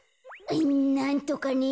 なんとかね。